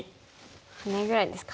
ハネぐらいですか。